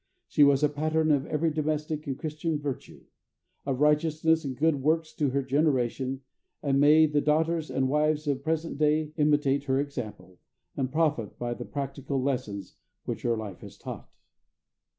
She was a pattern of every domestic and Christian virtue; of righteousness and good works to her generation, and may the daughters and wives of the present day imitate her example, and profit by the practical lessons which her life has taught!